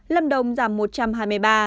lâm đông giảm một trăm hai mươi ba